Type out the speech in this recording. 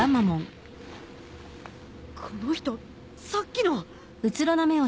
この人さっきの。